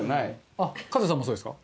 あっカズさんもそうですか？